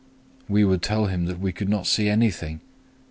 We would tell him that we could not see anything.